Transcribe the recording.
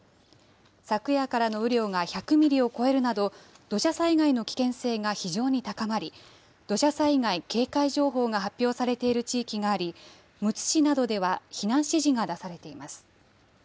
昨夜からの雨量が１００ミリを超えるなど、土砂災害の危険性が非常に高まり、土砂災害警戒情報が発表されている地域があり、むつ市などでは避難指示が出されています。